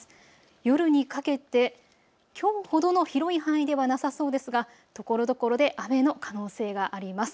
夜にかけてきょうほどの広い範囲ではなさそうですが、ところどころで雨の可能性があります。